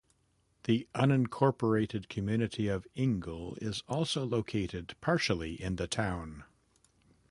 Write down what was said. The unincorporated community of Ingle is also located partially in the town.